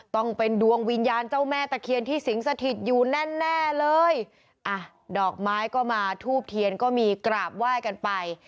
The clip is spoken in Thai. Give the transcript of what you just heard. ต้องเป็นดวงวิญญาณเจ้าแม่ตะเคียนที่สิงสถิตอยู่แน่แน่เลยอ่ะดอกไม้ก็มาทูบเทียนก็มีกราบไหว้กันไป